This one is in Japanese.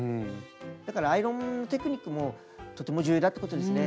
だからアイロンテクニックもとても重要だってことですね。